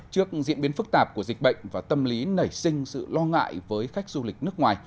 trước diễn biến phức tạp của dịch bệnh và tâm lý nảy sinh sự lo ngại với khách du lịch nước ngoài